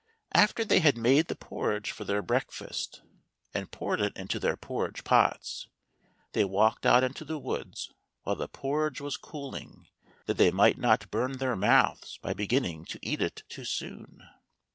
After they had made the porridge for their breakfast, and poured it into their porridge pots, they walked out into the woods, while the por ridge was cooling, that they might not burn their mouths by beginning to eat it too soon.